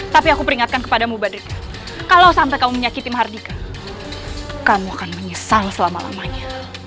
tapi aku peringatkan kepadamu badridnya kalau sampai kamu menyakiti mahardika kamu akan menyesal selama lamanya